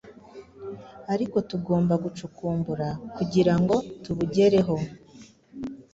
ariko tugomba gucukumbura kugira ngo tubugere ho.